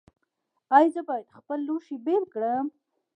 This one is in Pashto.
ایا زه باید خپل لوښي بیل کړم؟